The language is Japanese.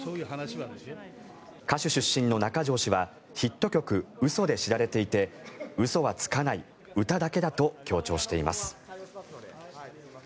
歌手出身の中条氏はヒット曲「うそ」で知られていて嘘はつかない歌だけだと強調しています。